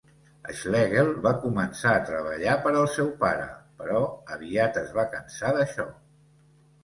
Schlegel va començar a treballar per al seu pare, però aviat es va cansar d'això.